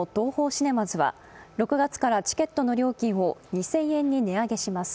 シネマズは６月からチケットの料金を２０００円に値上げします。